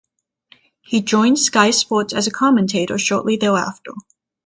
He joined Sky Sports as a commentator shortly thereafter.